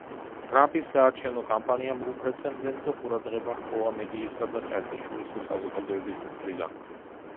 ტრამპის საარჩევნო კამპანიამ უპრეცედენტო ყურადღება ჰპოვა მედიისა და საერთაშორისო საზოგადოების მხრიდან.